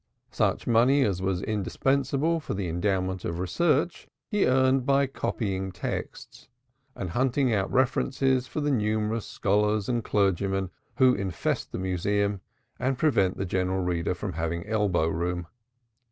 Such money as was indispensable for the endowment of research he earned by copying texts and hunting out references for the numerous scholars and clergymen who infest the Museum and prevent the general reader from having elbow room.